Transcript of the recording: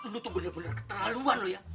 lu tuh bener bener keterlaluan lu ya